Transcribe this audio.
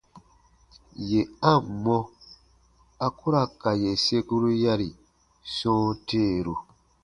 Yè a ǹ mɔ, a ku ra ka yè sekuru yari sɔ̃ɔ teeru.